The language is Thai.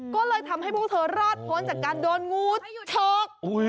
ก็เลยทำให้พวกเธอรอดพ้นจากการโดนงูฉก